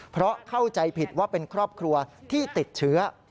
เพราะเข้าใจผิดว่าเป็นครอบครัวที่ติดเชื้อ